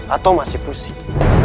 atau masih pusing